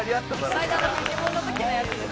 「この間のフィジモンの時のやつです」